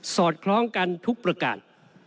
อดคล้องกันทุกประการ